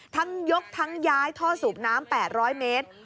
ทั้งยกทั้งย้ายท่อสูบน้ำ๘๐๐เมตร